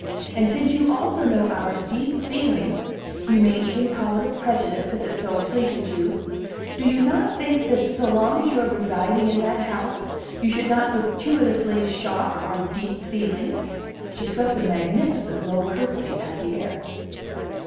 And since you also know our deep feeling you may even call it a prejudice, if it so pleases you do you not think that, so long as you are residing in that house, you should not gratuitously shock our deep feeling?" She swept a magnificent low curtsy at the air.